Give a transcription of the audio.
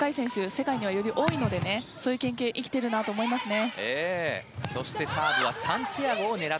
世界には、より多いのでそういう経験が生きているなと思いますね。